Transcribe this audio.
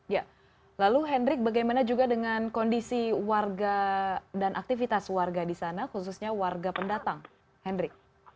ya lalu hendrik bagaimana juga dengan kondisi warga dan aktivitas warga di sana khususnya warga pendatang hendrik